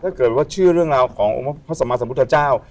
ถ้าเกิดว่าชื่อเรื่องราวขององค์พระสมาสัมพุทธเจ้า